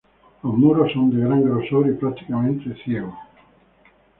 Los muros son de gran grosor y, prácticamente, ciegos.